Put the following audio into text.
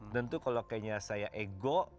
tentu kalau kayaknya saya ego